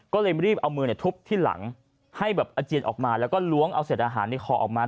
ก็เลยรีบเอามือทุบที่หลังให้แบบอาเจียนออกมาแล้วก็ล้วงเอาเศษอาหารในคอออกมา